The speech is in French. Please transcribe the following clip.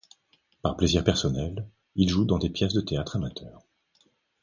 Par plaisir personnel, il joue dans des pièces de théâtre amateur.